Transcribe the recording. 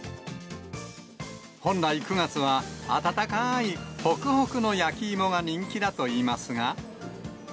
本来、９月は温かいほくほくの焼き芋が人気だといいますが。